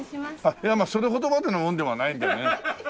いやそれほどまでのものではないんでね。